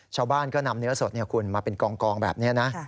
ชาวบ้านก็นำเนื้อสดมาเป็นกองแบบนี้นะ